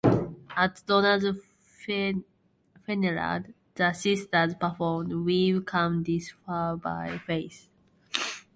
At Donna's funeral, the sisters performed "We've Come This Far By Faith".